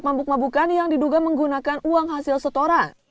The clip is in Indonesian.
mabuk mabukan yang diduga menggunakan uang hasil setoran